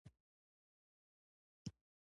تاسې باید په دې بدلیدونکې نړۍ کې هوښیار اوسئ